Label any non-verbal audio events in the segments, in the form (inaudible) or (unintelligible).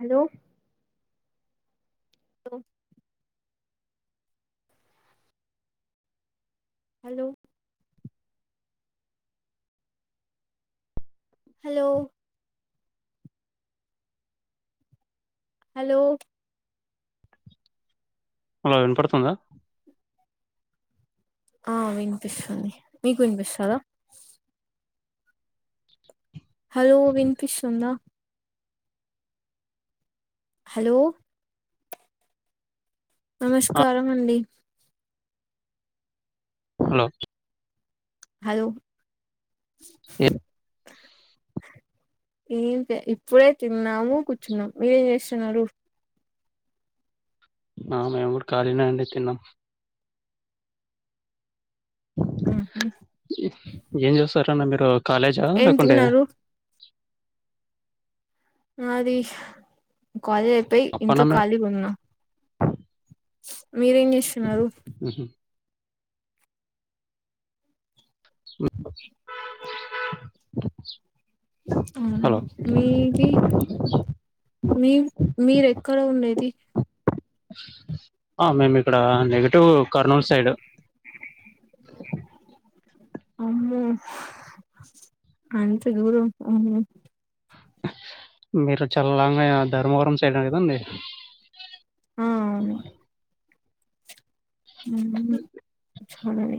Hello hello hello hello hello hello వినపడుతుందా ఆ వినిపిస్తుంది మీకు వినిపిస్తోందా హలో వినిపిస్తుందా హలో ఆ నమస్కారం అండి హలో హలో ఏం లే ఇప్పుడే తిన్నాము కూర్చున్నాం మీరేం చేస్తున్నారు ఆ మేము కూడా ఖాళీనే అండి తిన్నాం మ్హు ఏం చేస్తురండి మీరు కాలేజా ఏం లేకుంటే తిన్నారు నాది కాలేజ్ అయిపోయి ఇంట్లో పనమే ఖాళీగున్న మీరేం చేస్తున్నారు మ్ హు హలో మీది మీ మీరెక్కడ ఉండేది ఆ మేము ఇక్కడ నెగిటివ్ కర్నూలు సైడ్ అమ్మో అంత దూరం అమ్మో మీరు చల్లానయ ధర్మవరం సైడే కద ఉంది ఆ అవును మ్ వందే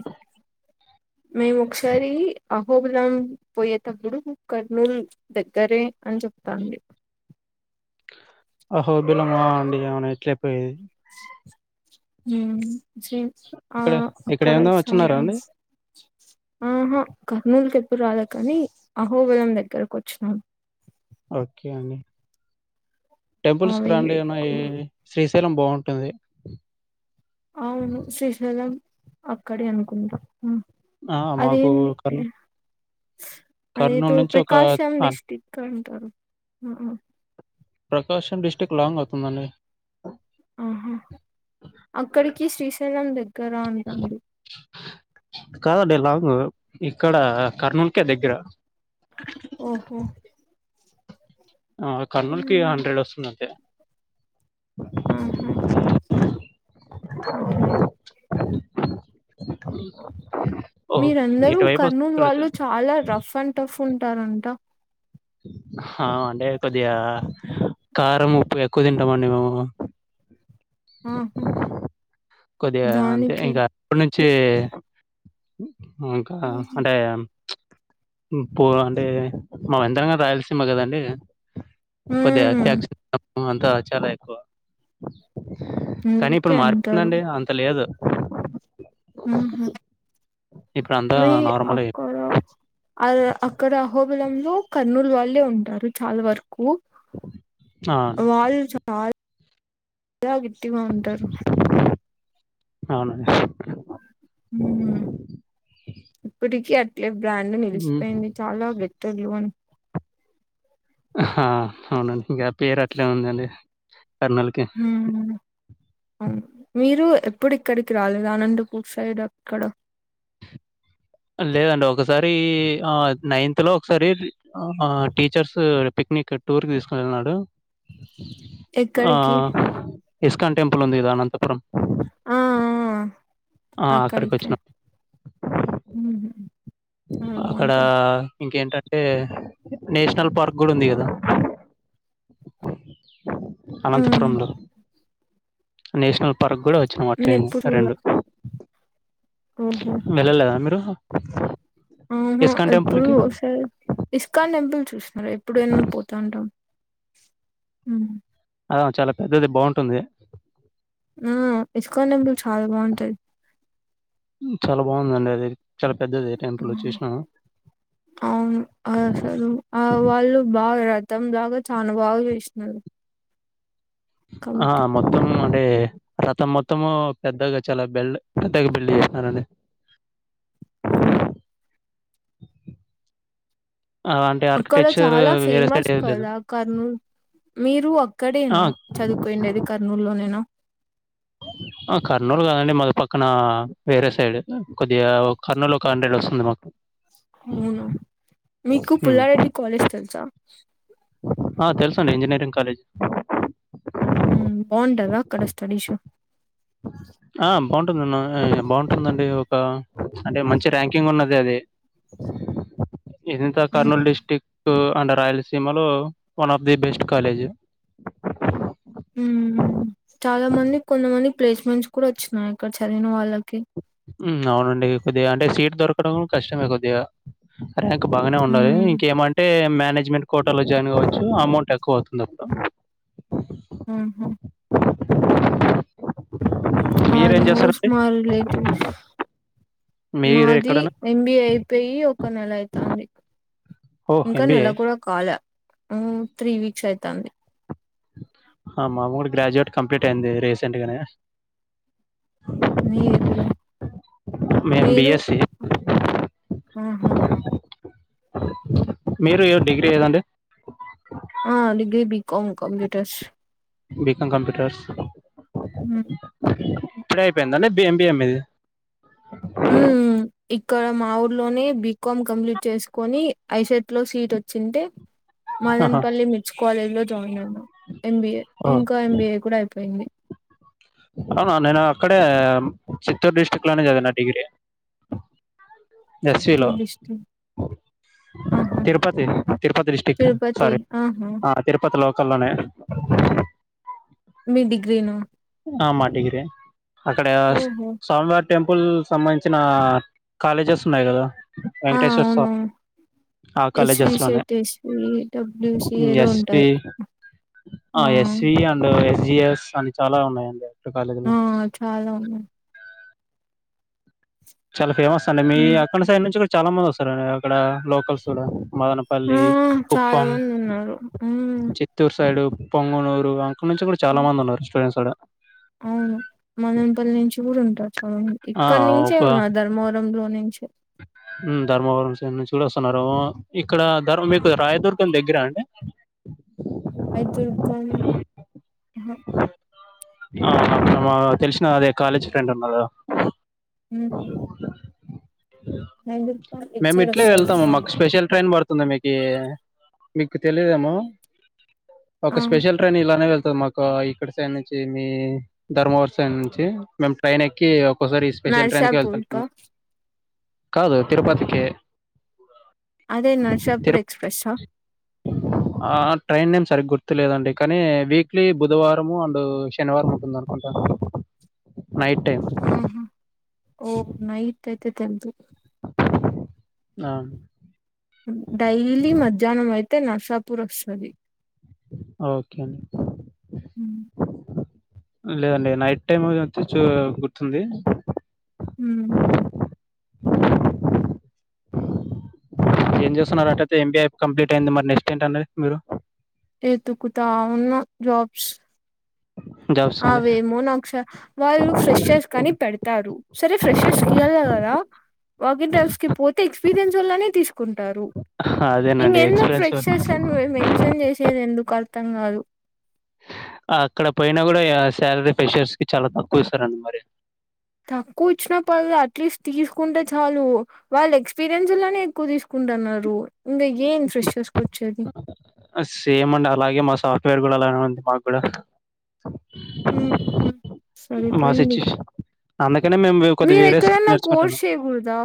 మేము ఒకసారి అహోబిలం పోయేటప్పుడు కర్నూలు దగ్గరే అని చెప్తాంది అహోబిలమా అండి ఆ ఇట్లే పోయేది మ్ ఆ ఇక్కడ ఇక్కడ అక్కడ ఏందో చాలా వచ్చినారా అండి ఆహా కర్నూలు ఎప్పుడు రాలే కాని అహోబిలం దగ్గరకు వచ్చినా ఓకే అండి టెంపుల్స్కి అవి రండి అన్న ఏరి శ్రీశైలం బావుంటది అవును శ్రీశైలం అక్కడే అనుకుంటా ఆ మాకు అదేంది కర్ కర్నూలు అదేదో నుంచి ఒక ప్రకాశం ఆ, డిస్టిక్ అంటారు ప్రకాశం డిస్టిక్ట్ లాంగ్ అవుతుందండి ఆహా అక్కడికి శ్రీశైలం దగ్గర అంటండి కాదండి లాంగ్ ఇక్కడ కర్నూలుకే దగ్గర. ఓహో ఆ కర్నూలుకి హండ్రెడ్ వస్తుంది అంతే హు హామ్ ఓహ్ మీరందరూ ఇటువైపు వస్తే కర్నూలు చూడొచ్చు వాళ్ళు చాలా రఫ్ అండ్ టఫ్ ఉంటారంట. అ అంటే కొద్దిగా కారం, ఉప్పు ఎక్కువ తింటామండి మేము. ఆహా కొద్దిగా అంటే దానికి ఇంకా అప్పటి నుంచే ఇంకా అంటే ఉప్పు అంటే మాది ఎంతయినా గాని రాయలసీమ కదండి. కొద్దిగా మ్మ్ ఫ్యాక్షనిజం అంతా చాలా ఎక్కువ. కానీ అందుకే ఇప్పుడు అంటారు మారిపోయిదండి అంత లేదు. హు హామ్ ఇప్పుడు అంతా మీ నార్మల్ అక్కలు అది అక్కడ అహోబిలంలో కర్నూలు వాళ్ళే ఉంటారు చాలా వరకు. అవునండి వాళ్ళు చాలా చాలా గట్టిగా ఉంటారు. అవును ఉం ఇప్పటికి అట్లే బ్రాండ్ హ్మ్. నిలిచిపోయింది. చాలా గట్టోల్లు అని. ఆ అవునండి ఇంకా పేరు అట్లే ఉందండి కర్నూల్కి. ఉం అవును మీరు ఎప్పుడు ఇక్కడికి రాలేదా అనంతపూర్ సైడ్ అక్కడ లేదండి ఒకసారి ఆ నైన్త్ లో ఒకసారి ఆ టీచర్స్ పిక్నిక్ టూర్ కి తీసుకెళ్ళిన్నాడు. ఆ ఎక్కడికి ఇస్కాన్ టెంపుల్ ఉంది కదా అనంతపురం. ఆ ఆ అక్కడ ఎక్క ఉం అక్కడ ఇంకేంటంటే నేషనల్ పార్క్ కూడా ఉంది కదా. మ్మ్ అనంతపురంలో నేషనల్ పార్క్ కూడా వచ్చిన అట్ రెండు హు హామ్ వెళ్ళలేదా మీరు? ఆహా ఇస్కాన్ ఎప్పుడు టెంపుల్‌కి? ఒకసారి ఇస్కాన్ టెంపుల్ చూసినారా. ఎప్పుడైనా పోతా ఉంటాం. ఉం అ చాలా పెద్దది బావుంటుంది. ఉం ఇస్కాన్ టెంపుల్ చాలా బావుంటది. చాలా బావుందండి అది. చాలా పెద్దది ఆ, టెంపుల్ చూసినవా. అవును అసలు ఆ వాళ్ళు బాగా రథం లాగా చానా బాగా చేసినరు. ఆ మొత్తము అంటే రతం మొత్తము పెద్దగా చాలా బెల్ పెద్దగా బిల్డ్ చేసినారండి. అవును ఆ అంటే అక్కడ ఆర్కిటెక్చర్ చాలా వేరే సైడ్ ఫేమస్ ఏం లేదు కదా కర్నూల్ మీరు ఆ అక్కడేనా చదువుకోయిండేది కర్నూల్ లోనేనా? ఆ కర్నూలు కాదండి మాది పక్కన వేరే సైడ్ కొద్దిగా కర్నూలు ఒక హండ్రెడ్ వస్తుంది మా అవునా మీకు హ్మ్ పుల్లారెడ్డి కాలేజ్ తెలుసా? ఆ తెల్సండి ఇంజినీరింగ్ కాలేజ్ మ్మ్ బావుంటద అక్కడ స్టడీసు ఆ బావుటుందన్నా ఎ బావుంటుందండి ఒక అంటే మంచి ర్యాంకింగ్ ఉన్నదే అది ఇదన్తా మ్మ్ కర్నూలు డిస్టికు అండ్ రాయలసీమ లో one of the best college మ్మ్ చాలా మంది కొంతమంది ప్లేస్మెంట్స్ కూడా వచ్చినాయి అక్కడ చదివిన వాళ్ళకి మ్మ్ అవునండి కొద్దిగా అంటే సీటు దొరకడం కష్టమే కొద్దిగా ర్యాంక్ బాగానే ఉండవే హ్మ్. ఇంకేమ అంటే మేనేజ్మెంట్ కోటాలో జాయిన్ అవ్వచ్చు అమౌంట్ ఎక్కువ అవుతుంది అప్డు హ్మ్ హు మీరేం ఆల్మోస్ట్ చేస్తారండి? మా రిలేటివ్స్ మీరు మాది ఎక్కడైనా ఎంబిఏ అయిపోయి ఒక నెల అయితాంది ఓహ్! ఇంకా ఎంబీఏ నెల కాలా మ్ త్రీ వీక్స్ అయితన్ది ఆ మాముడ్ గ్రాడ్యుయేట్ కంప్లీట్ అయింది రీసెంట్ గనే మీది కుడ మేము మీరు బీఎస్సీ. ఆహా మీరు యో డిగ్రీ కదండీ ఆ degree BCom computers BCom computers హ్మ్. ఇప్పుడే అయిపోయిందండి బీఎంబీఏ మీది మ్మ్ ఇక్కడ మా ఊర్లోనే బీకాం కంప్లీట్ చేసుకొని ఐసెట్ లో సీట్ వచ్చింటె ఆహా! మదన్పల్లి మిర్చ్ కాలేజ్ లో జాయిన్ అయినా ఎంబిఏ ఓహ్! ఇంకా ఎంబిఏ కూడా అయిపోయింది ఆను నేను అక్కడే చిత్తూరు డిస్టిక్ లోనే చదివిన డిగ్రీ ఎస్‌విలో చిత్తూర్ డిస్ట్ తిరుపతి తిరుపతి డిస్టిక్ తిరుపతి సారి ఆహా ఆ తిరుపతి లోకల్లోనే మీ డిగ్రీ నా ఆ మా డిగ్రీ అక్కడ ఓహో స్వామ్ వార్ టెంపుల్ సంబంధించిన కాలేజెస్ ఉన్నాయి కదా ఆ వెంక్టేశ్వర స్వామ్ అవునవును ఆ ఎస్వి కాలేజెస్ లోనే సెట్ ఎస్వి డబ్ల్యూసి మ్ ఏదో ఎస్పి ఉంటది ఆ ఎస్వి అండ్ ఎస్జిఎస్ ఆన్ చాలా ఉన్నాయండి అక్కడ కాలేజీలు అవును (unintelligible) చాలా ఫేమస్ అండి మీ హ్మ్. అక్కడ సైడ్ నుంచి కూడా చాలా మంది వసర అక్కడ లోకల్స్ కూడా మదన పల్లి ఆ చాలా కుప్పం మంది ఉన్నారు హ్మ్ చి చిత్తూరు సైడ్ పొంగనూరు అక్కనుంచి కూడా చాలా మంది ఉన్నారు స్టూడెంట్స్ ఆడ అవును మదనపల్లి నుంచి కూడా ఉంటారు ఆ ఆ ఇక్కనుంచే ఒక ఉన్నా ధర్మవరంలో నుంచే హ్మ్ ధర్మవరం సైడ్ నుంచి కూడ వస్తున్నారు ఇక్కడ ధర్మ మీకు రాయదుర్గం దగ్గర అండి హైదుర్గం ఆహా ఆ మా తెల్సిన అదే కాలేజ్ ఫ్రెండ్ ఉన్నడు ఊహ్మ్ ఏంది మేము ఇట్లే వెళ్తాము మాకు స్పెషల్ ట్రైన్ పడుతుంది మీకి మీకు తెలిదేమో ఒక ఆ స్పెషల్ ట్రైన్ ఇలానే వెళ్తది మాకు ఇక్కడ సైడ్ నుంచి మీ ధర్మవర సైం నుంచి మేము ట్రైన్ ఎక్కి ఒక్కోసారి స్పెషల్ ట్రైన్కి నర్సాపూర్ కా వెళ్తుంటము కాదు తిరుపతికి అదే నర్సాపూర్ తిరు ఎక్స్ప్రెస్సా ఆ ట్రైన్ నేమ్ సరిగ్గా గుర్తులేదండి కానీ వీక్లీ బుధవారము అండ్ శనివారం ఉంటుంది నైట్ టై హ్మ్ హు ఓ నైట్ అయితే తెల్దు నా డైలీ మధ్యాహ్నం అయితే నర్సాపుూర్ వస్తుంది ఓకే హ లేదండి నైట్ టైమ్ తుచు గుర్తుంది ఉ ఏం చేస్తున్నార అయితే ఎంబఐ కంప్లీట్ అయింది మరి నెక్స్ట్ ఏంటండి మీరు ఎతుకుతా ఉన్న జాబ్స్ జాబ్స్ అండి అవేమో నక్ష వాళ్ళు ఫ్రెషర్స్ కానీ పెడతారు సరే ఫ్రెషర్స్ కియల కదా వాకి డ్రైవ్స్ కి పోతే ఎక్స్పీరియన్స్ వల్లనే తీసుకుంటారు ఇంక అదేనండి ఎన్నో ఎక్స్పీరియన్స్ ప్రెక్షర్స్ అని మెన్షన్ చేసేది ఎందుకు అర్థం కాదు అక్కడ పోయినా కూడా శాలరీ ప్రెషర్స్కి చాలా తక్కువ ఇస్తారు అంట మరి తక్కువ ఇచ్చిన పర్లే అట్లీస్ట్ తీస్కుంటే చాలు వాళ్ళ ఎక్స్పీరియన్స్ లోనే ఎక్కువ తీసుకుంటున్నారు ఇంకా ఏం ఫ్రెషర్స్ కొచ్చేది సేమ్ అండి అలాగే మా సాఫ్ట్వేర్ కూడా అలానే ఉంది మాగూడా ఊహ్మ్ మా సరిపోయింది సిచ్యుయేషన్ అందుకనే మేము కొద్ది మీరు వేరే స్కప్ట్ ఎక్కడన్నా కోర్స్ నేర్చుకుంటును చేయకూడదా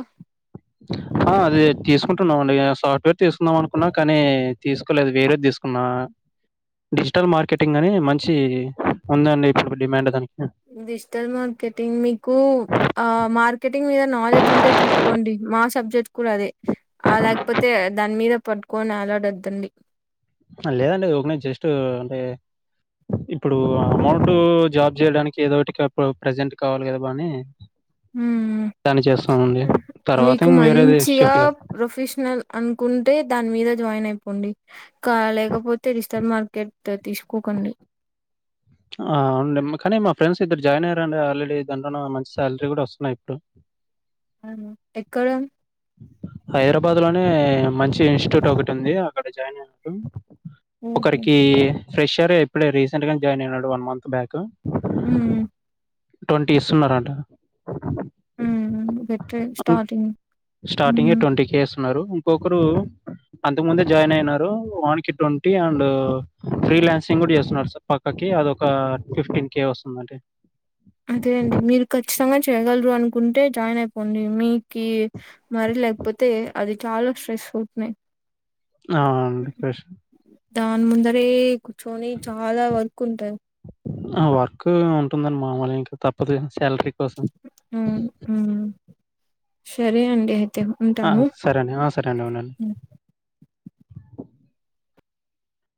ఆ అది తీసుకుంటున్నాం అండి సాఫ్ట్వేర్ తీస్కుందాం అనుకున్నా కానీ తీస్కోలేదు వేరేద్ తీస్కున్నా డిజిటల్ మార్కెటింగ్ అని మంచి ఉందండి ఇప్పుడు డిమాండ్ దానికి డిజిటల్ మార్కెటింగ్ మీకు ఆ మార్కెటింగ్ మీద నాలెడ్జ్ ఉంటే తీసుకోండి మా సబ్జెక్ట్ కూడా అదే ఆ లేకపోతే దాని మీద పట్టుకొని అలాడాదండి లేదండి ఒకనే జస్ట్ అంటే ఇప్పుడు అమౌంట్ జాబ్ చేయడానికి ఏదో ఒకటి ఇప్పుడు ప్రజెంట్ కావాలి కదా బానీ ఉమ్ దాని చేస్తనమండి తర్వాత మీకు ఇం వేరేది మంచిగా షిఫ్ట్గా ప్రొఫెషనల్ అనుకుంటే దాని మీద జాయిన్ అయిపోండి క లేకపోతే ఇన్స్టాల్ మార్కెట్ తీసుకోకండి ఆ ఉ కానీ మా ఫ్రెండ్స్ ఇద్దరు జాయిన్ అయ్యారుడి ఆల్రెడీ దాంట్లోనే మంచి సాలరీ కూడా వస్తున్నాయి ఇప్పుడు అను ఎక్కడ హైదరాబాద్ లోనే మంచి ఇన్స్టిట్యూట్ ఒకటి ఉంది అక్కడ జాయిన్ అయినట్టు ఉమ్ ఒకరికి ఫ్రెష్ ఇయర్ ఎప్పుడే రీసెంట్ గా జాయిన్ అయినాడు వన్ మంత్ బ్యాక్ ఉ ట్వంటీ ఇస్తున్నారంట ఉమ్ బెటర్ స్టార్టింగ్ స్టార్టింగ్ ఉమ్ ట్వంటీ కేస్న్నారు ఇంకొకరు అంతకు ముందే జాయిన్ అయినారు వాన్ కి ట్వంటీ అండ్ ఫ్రీ లాన్సింగ్ కూడా చేస్తున్నారు సార్ పక్కకి అద ఒక ఫిఫ్టీన్ కే వస్తుందండి. అదే అండి మీరు ఖచ్చితంగా చేయ్యగలరు అనుకుంటే జాయిన్ అయిపోండి మీ కి మరీ లేకపోతే అది చాలా స్ట్రెస్ అవుతున్నాయి. ఆండి ఫెష్ దాని ముందరే కూర్చొని చాలా వర్క్ ఉంట ఆ వర్క్ ఉంటుందండి మామూలు ఇంకా తప్పదు శాలరీ మ్హు సరే అండి తెప్పు ఆ! ఉంటాను సరే అండి. ఆ! సరే అండి. అవునండి. ఉ